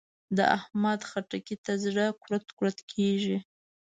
د احمد؛ خټکي ته زړه کورت کورت کېږي.